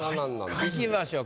いきましょう。